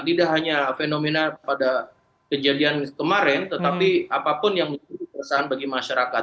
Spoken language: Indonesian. tidak hanya fenomena pada kejadian kemarin tetapi apapun yang menjadi keresahan bagi masyarakat